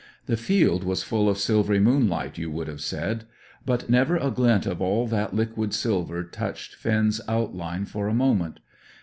The field was full of silvery moonlight you would have said; but never a glint of all that liquid silver touched Finn's outline for a moment.